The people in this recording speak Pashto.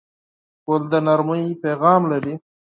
ګل د نرمۍ پیغام لري.